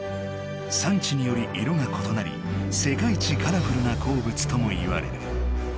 産地により色がことなり世界一カラフルな鉱物ともいわれる。